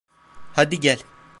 Hadi gel.